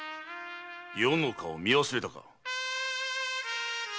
余の顔を見忘れたか？